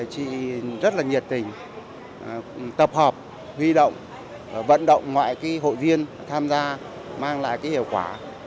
chị rất là nhiệt tình tập hợp huy động vận động ngoại hội viên tham gia mang lại hiệu quả